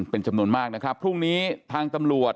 เป็นจำนวนมากนะครับพรุ่งนี้ทางตำรวจ